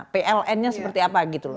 pln nya seperti apa